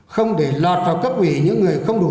không để lọt vào cấp ủy những người không đủ